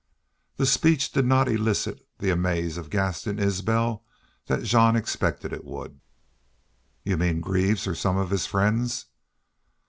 This speech did not elicit the amaze from Gaston Isbel that Jean expected it would. "You mean Greaves or some of his friends?"